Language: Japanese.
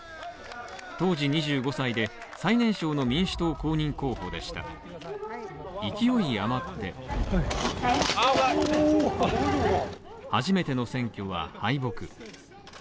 当時２５歳で最年少の民主党公認候補でしたが、初めての選挙は敗北です。